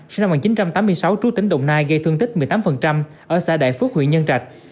sinh năm một nghìn chín trăm tám mươi sáu trú tỉnh đồng nai gây thương tích một mươi tám ở xã đại phước huyện nhân trạch